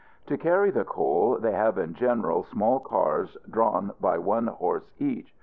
To carry the coal, they have in general small cars drawn by one horse each.